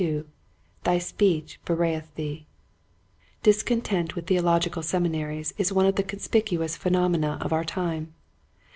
^^Thy Speech Bewrayeth Thee.'' Discontent with theological seminaries is one of the conspicuous phenomena of our time.